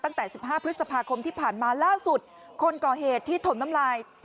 ตั้งแต่๑๕พฤษภาพยาบาล